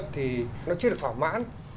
thì nó chưa được thỏa mãn